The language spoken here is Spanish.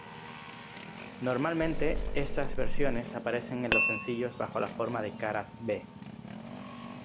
Normalmente estas versiones aparecen en los sencillos bajo la forma de Caras b.